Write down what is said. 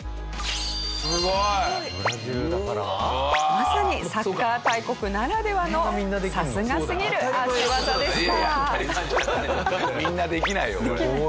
まさにサッカー大国ならではのさすがすぎる足ワザでした。